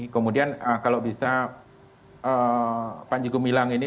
kemudian kalau bisa panji gumilang ini